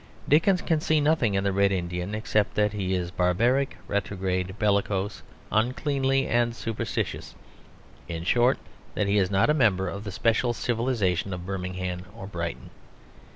Dickens can see nothing in the Red Indian except that he is barbaric, retrograde, bellicose, uncleanly, and superstitious in short, that he is not a member of the special civilisation of Birmingham or Brighton.